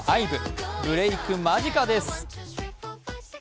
ブレーク間近です。